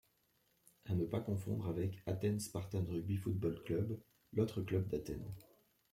À ne pas confondre avec Athens Spartans Rugby Football Club l'autre club d'Athènes.